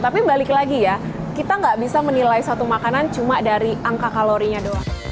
tapi balik lagi ya kita nggak bisa menilai satu makanan cuma dari angka kalorinya doang